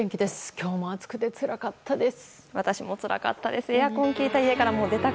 今日も暑くてつらかったです。